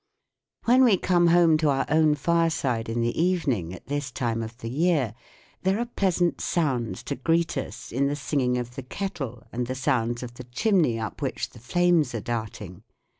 (Fig. 47) When we come home to our own fireside in the evening at this time of the year there are pleasant sounds to greet us in the singing of the kettle and the sounds of the chimney up which the flames are darting.